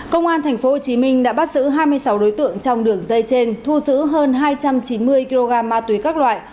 công an tp hcm đã bắt giữ hai mươi sáu đối tượng trong đường dây trên thu giữ hơn hai trăm chín mươi kg ma túy các loại